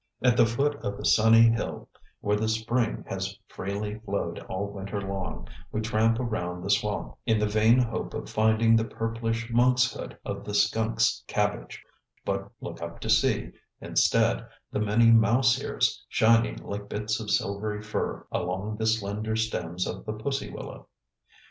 At the foot of the sunny hill where the spring has freely flowed all winter long, we tramp around the swamp in the vain hope of finding the purplish monk's hood of the skunk's cabbage; but look up to see, instead, the many "mouse ears," shining like bits of silvery fur, along the slender stems of the pussy willow.